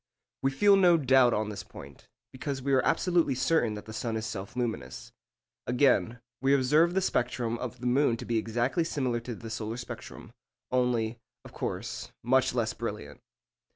We feel no doubt on this point, because we are absolutely certain that the sun is self luminous. Again, we observe the spectrum of the moon to be exactly similar to the solar spectrum, only, of course, much less brilliant.